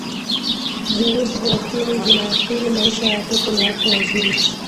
virusi vya ukimwi vinaathiri maisha ya watoto na watu wazima